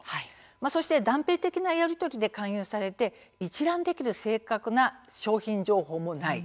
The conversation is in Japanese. そして、断片的なやり取りで勧誘されて一覧できる正確な商品情報もない。